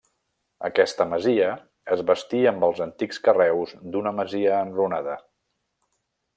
Aquesta masia es bastí amb els antics carreus d'una masia enrunada.